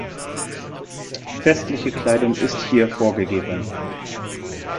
Festliche Kleidung ist hier vorgegeben.